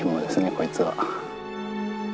こいつは。